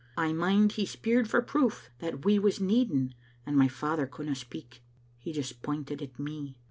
1 mind hd speired for proof that we was needing, and my father couldna speak. He just pointed at me.